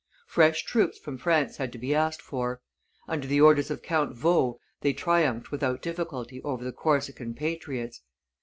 Fresh troops from France had to be asked for; under the orders of Count Vaux they triumphed without difficulty over the Corsican patriots.